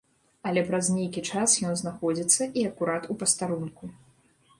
Але праз нейкі час ён знаходзіцца, і акурат у пастарунку.